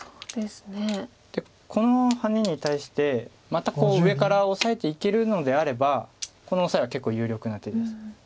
でこのハネに対してまたこう上からオサえていけるのであればこのオサエは結構有力な手です。